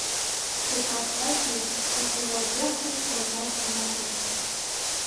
Шукат ыш лий, кошевой пӧрт гыч оза чынак лекте.